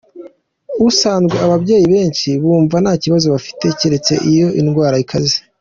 Ubusanzwe ababyeyi benshi bumva nta kibazo bafite keretse iyo iyi ndwara ikaze.